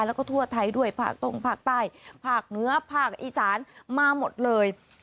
แล้วก็ทั่วไทยด้วยภาคตรงภาคใต้ภาคเหนือภาคอีสานมาหมดเลย